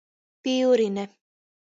Pyurine.